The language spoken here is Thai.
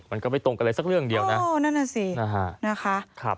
มันก็ไม่ตรงกับอะไรสักเรื่องเดียวนะนะคะ